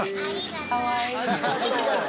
ありがとう。